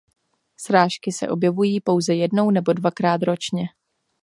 Srážky se objevují pouze jednou nebo dvakrát ročně.